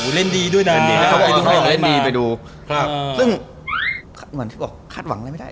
อู๋เล่นดีด้วยนะครับไปดูครับซึ่งเหมือนที่บอกคาดหวังอะไรไม่ได้